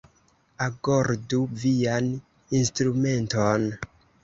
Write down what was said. Agordu vian instrumenton!